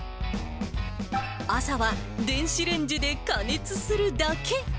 朝は電子レンジで加熱するだけ。